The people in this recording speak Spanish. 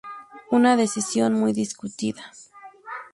Una decisión muy discutida.